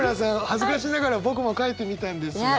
恥ずかしながら僕も書いてみたんですが。